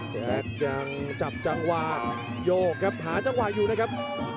แจ๊กยังจับจังหวะโยกครับหาจังหวะอยู่นะครับ